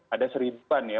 ada seribuan ya